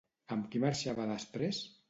Amb qui marxava després?